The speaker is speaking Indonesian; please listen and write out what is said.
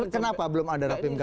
kenapa belum ada rapim